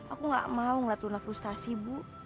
aku gak mau ngeliat luna frustasi bu